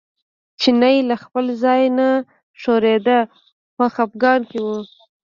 چینی له خپل ځایه نه ښورېده په خپګان کې و.